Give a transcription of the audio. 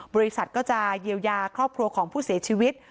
บริษัทก็จะเยียวยาครอบครัวของผู้เสียชีวิต